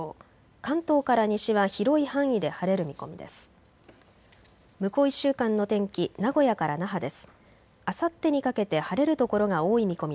関東から西は広い範囲で晴れる見込みです。